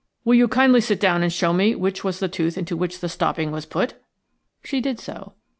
"Will you kindly sit down and show me which was the tooth into which the stopping was put?" She did so.